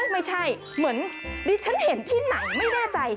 ไม่ใช่เหมือนดิฉันเห็นที่หนังไม่แน่ใจ